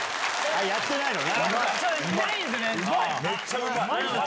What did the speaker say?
やってないのな。